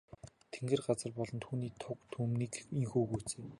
Тэнгэр газар болон түүний түг түмнийг ийнхүү гүйцээв.